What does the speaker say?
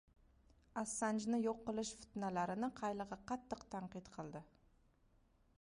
Assanjni yo‘q qilish fitnalarini qaylig‘i qattiq tanqid qildi